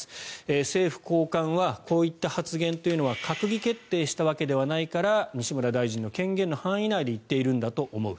政府高官はこういった発言というのは閣議決定したわけではないから西村大臣の権限の範囲内で言っているんだと思う。